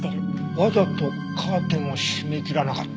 わざとカーテンを閉め切らなかった？